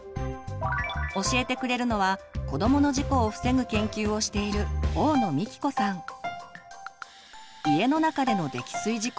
教えてくれるのは子どもの事故を防ぐ研究をしている家の中での溺水事故。